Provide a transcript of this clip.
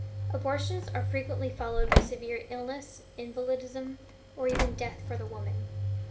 Abortions are frequently followed by severe illness, invalidism, or even death for the woman.